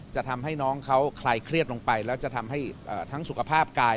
จะทำให้น้องเขาคลายเครียดลงไปแล้วจะทำให้ทั้งสุขภาพกาย